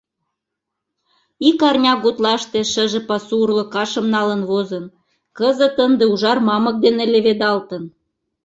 Ик арня гутлаште шыже пасу урлыкашым налын возын, кызыт ынде ужар мамык дене леведалтын.